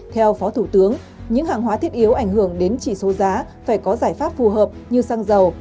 theo phó thủ tướng những hàng hóa thiết yếu ảnh hưởng đến chỉ số giá phải có giải pháp phù hợp như xăng dầu